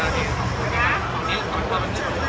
เป็นแห่งน้ำหนูก่อนน้ำหนูก่อน